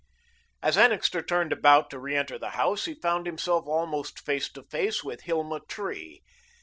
As Annixter turned about to reenter the house, he found himself almost face to face with Hilma Tree.